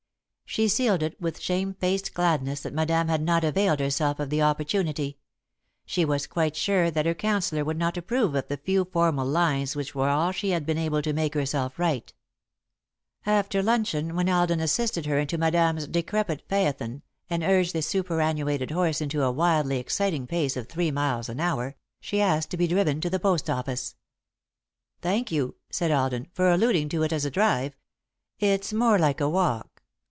She sealed it with shamefaced gladness that Madame had not availed herself of the opportunity. She was quite sure that her counsellor would not approve of the few formal lines which were all she had been able to make herself write. [Sidenote: On the Way to the Post Office] After luncheon, when Alden assisted her into Madame's decrepit phaeton, and urged the superannuated horse into a wildly exciting pace of three miles an hour, she asked to be driven to the post office. "Thank you," said Alden, "for alluding to it as a drive. It's more like a walk."